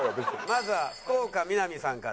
まずは福岡みなみさんから。